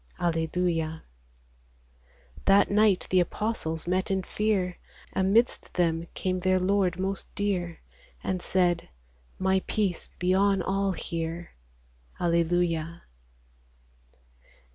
Alleluia ! That night the apostles met in fear; Amidst them came their Lord most dear, And said, " My peace be on all here." Alleluia